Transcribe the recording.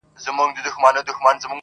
ډلي ډلي مي له لاري دي ايستلي -